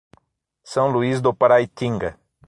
São Luiz do Paraitinga